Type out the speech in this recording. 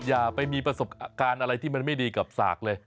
อย่าไปมีประสบการณ์อะไรที่มันไม่ดีกับสากเลย